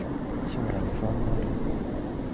将来に不安がある